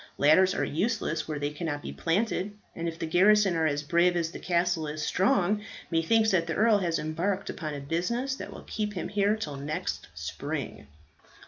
Ladders are useless where they cannot be planted; and if the garrison are as brave as the castle is strong, methinks that the earl has embarked upon a business that will keep him here till next spring."